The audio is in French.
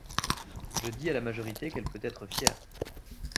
Je dis à la majorité qu’elle peut être fière.